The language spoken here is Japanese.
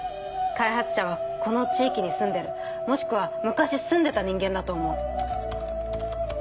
開発者はこの地域に住んでるもしくは昔住んでた人間だと思う。